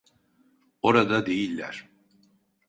Orada değiller.